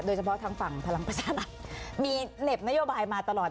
โดยเฉพาะทางฝั่งภลังประศนามีเหลบนโยบายมาตลอด